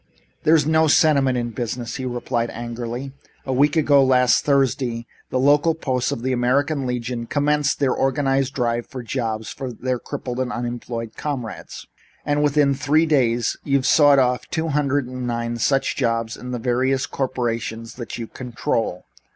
"There is no sentiment in business," he replied angrily. "A week ago last Thursday the local posts of the American Legion commenced their organized drive for jobs for their crippled and unemployed comrades, and within three days you've sawed off two hundred and nine such jobs on the various corporations that you control.